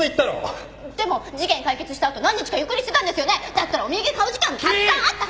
だったらお土産買う時間たくさんあったはずで。